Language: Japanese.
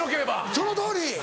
そのとおり。